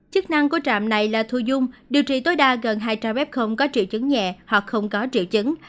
chức năng của trạm này là thu dung điều trị tối đa gần hai trăm linh f có triệu chứng nhẹ hoặc không có triệu chứng